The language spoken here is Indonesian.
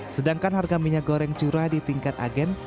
sedangkan harga minyak goreng curah di tingkat agen